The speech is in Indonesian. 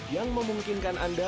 yang memungkinkan anda